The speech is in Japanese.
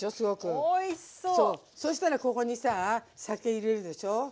そしたらここにさ酒入れるでしょ。